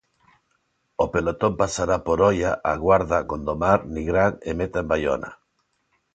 O pelotón pasará por Oia, A Guarda, Gondomar, Nigrán e meta en Baiona.